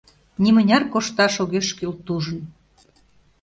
Нимыняр кошташ огеш кӱл тужын